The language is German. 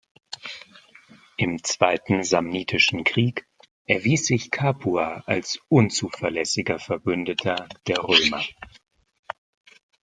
Im Zweiten Samnitischen Krieg erwies sich Capua als unzuverlässiger Verbündeter der Römer.